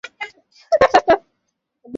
wingine baina ya kampuni ya bima ya accer